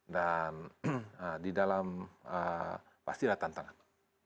dan di dalam pasti ada tantangan